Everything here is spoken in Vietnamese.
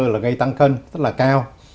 nó gây tăng cân rất là cao